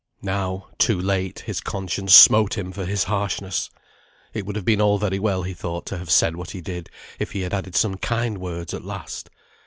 Now, too late, his conscience smote him for his harshness. It would have been all very well, he thought, to have said what he did, if he had added some kind words, at last.